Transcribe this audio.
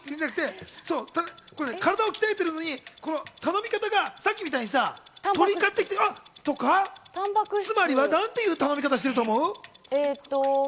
英語でね、ソイって、体を鍛えているのに、頼み方がさっきみたいに鶏買ってきてとか、つまりはなんという頼み方をしていると思う？